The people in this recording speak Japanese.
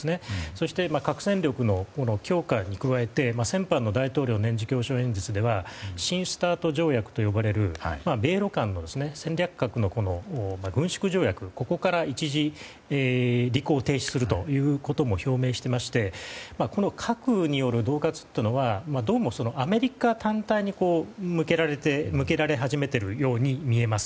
そして、核戦力の強化に加えて先般の大統領の年次教書演説では新ＳＴＡＲＴ条約と呼ばれる米ロ間の戦略核の軍縮条約、ここから一時履行停止するということも表明していまして核による恫喝というのはどうも、アメリカ単体に向けられ始めているように見えます。